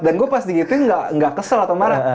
dan gue pasti gituin gak kesel atau marah